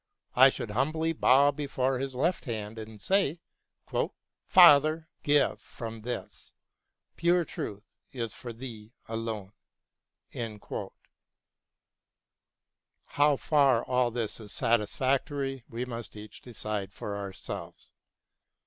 I should humbly bow before His left hand and say, " Father, give from this. Pure Truth is for Thee alone." How far all this is satisfactory we must each decide for ourselves.